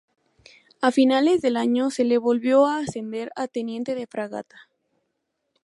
A finales del año se le volvió a ascender a Teniente de Fragata.